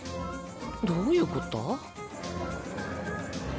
どういうこった？